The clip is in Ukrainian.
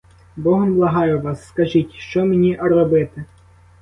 Богом благаю вас, скажіть: що мені робити?